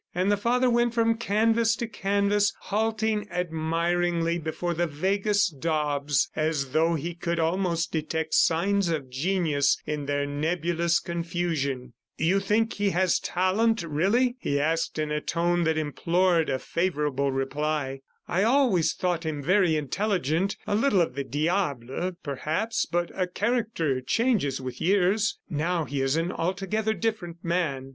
.. and the father went from canvas to canvas, halting admiringly before the vaguest daubs as though he could almost detect signs of genius in their nebulous confusion. "You think he has talent, really?" he asked in a tone that implored a favorable reply. "I always thought him very intelligent ... a little of the diable, perhaps, but character changes with years. ... Now he is an altogether different man."